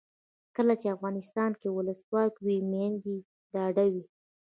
کله چې افغانستان کې ولسواکي وي میندې ډاډه وي.